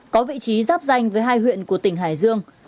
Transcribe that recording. có vị trí giáp danh với hai huyện của tỉnh hải dương